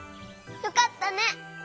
よかったね！